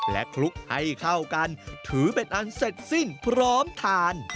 และคลุกให้เข้ากันถือเป็นอันเสร็จสิ้นพร้อมทาน